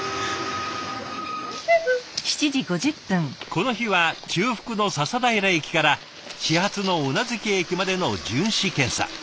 この日は中腹の笹平駅から始発の宇奈月駅までの巡視検査。